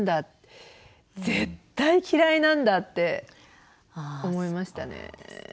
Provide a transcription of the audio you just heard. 絶対嫌いなんだって思いましたね。